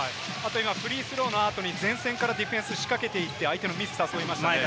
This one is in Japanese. フリースローの後に前からディフェンスを仕掛けていって、相手のミスを誘いました。